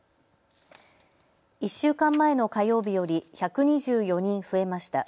１週間前の火曜日より１２４人増えました。